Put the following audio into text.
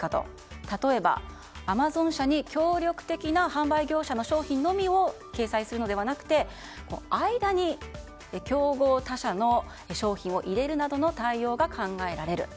たとえばアマゾン社に協力的な販売業者の商品のみを掲載するのではなくて間に競合他社の商品を入れるなどの対応が考えられる。